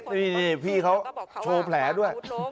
นี่พี่เขาโชว์แผลด้วย